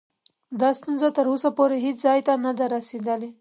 دا ستونزه تر اوسه پورې هیڅ ځای ته نه ده رسېدلې.